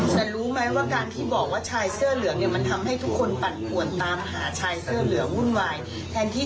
แต่รู้มั้ยว่าการที่บอกว่าชายเสื้อเหลือง